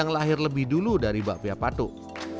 yang lahir lebih dulu dari bakpia patung